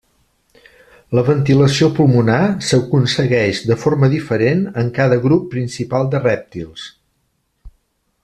La ventilació pulmonar s'aconsegueix de forma diferent en cada grup principal de rèptils.